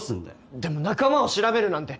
でも仲間を調べるなんて。